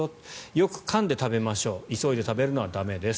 よくかんで食べましょう急いで食べるのは駄目です。